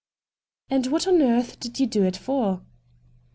' And what on earth did you do it for